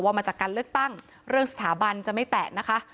มาจากการเลือกตั้งเรื่องสถาบันจะไม่แตะนะคะ